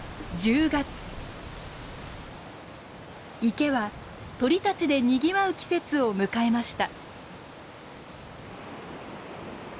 池は鳥たちでにぎわう季節を迎えました。